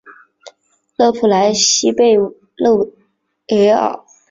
勒普莱西贝勒维尔。